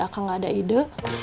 aku nggak ada ide